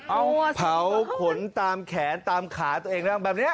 เอาเผาขนตามแขนตามขาตัวเองเริ่มร่างแบบเนี้ย